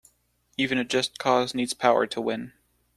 Even a just cause needs power to win.